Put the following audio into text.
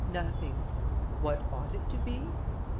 "Nothing. What ought it to be?